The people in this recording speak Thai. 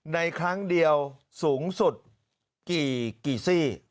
ครั้งเดียวสูงสุดกี่ซี่